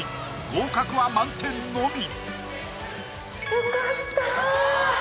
合格は満点のみ！